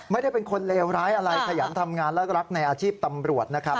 ไม่ได้เป็นคนเลวร้ายอะไรขยันทำงานและรักในอาชีพตำรวจนะครับ